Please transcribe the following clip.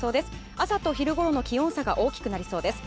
朝と昼頃の気温差が大きくなりそうです。